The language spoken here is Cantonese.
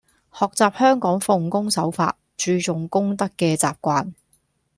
學習香港奉公守法、注重公德嘅習慣